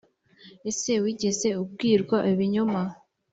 ese wigeze ubwirwa ibinyoma